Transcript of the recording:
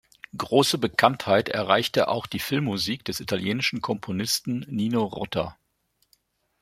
Große Bekanntheit erreichte auch die Filmmusik des italienischen Komponisten Nino Rota.